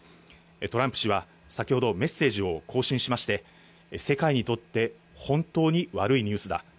トランプ氏は先ほど、メッセージを更新しまして、世界にとって本当に悪いニュースだ。